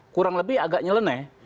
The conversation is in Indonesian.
kurang lebih agak nyeleneh